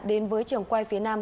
đến với trường quay phía nam